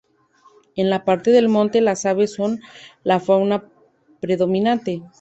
En la parte del monte, las aves son la fauna predominante.